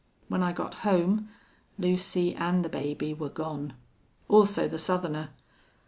When I got home Lucy an' the baby were gone. Also the Southerner!...